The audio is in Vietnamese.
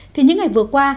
thì những ngày vừa qua